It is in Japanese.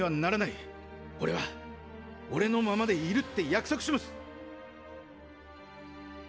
俺は俺のままでいるって約束します。